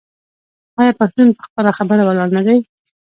آیا پښتون په خپله خبره ولاړ نه دی؟